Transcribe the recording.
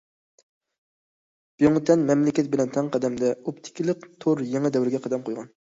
بىڭتۈەن مەملىكەت بىلەن تەڭ قەدەمدە« ئوپتىكىلىق تور» يېڭى دەۋرىگە قەدەم قويغان.